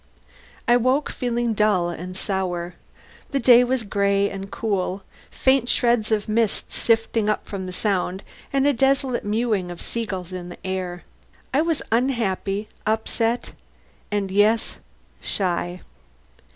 I woke feeling dull and sour. The day was gray and cool: faint shreds of mist sifting up from the Sound and a desolate mewing of seagulls in the air. I was unhappy, upset, and yes shy.